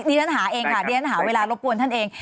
ดินท่านหาเองค่ะดินท่านหาเวลารบบวนท่านเอง